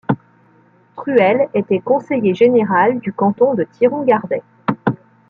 Truelle était conseiller général du canton de Thiron-Gardais.